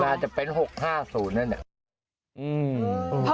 แหละแหละแหละ